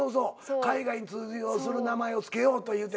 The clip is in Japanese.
海外に通用する名前をつけようというて。